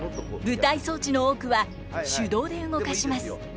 舞台装置の多くは手動で動かします。